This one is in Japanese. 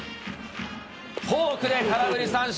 フォークで空振り三振。